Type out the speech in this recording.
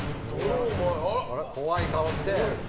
怖い顔して。